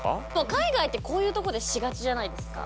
海外ってこういう所でしがちじゃないですか？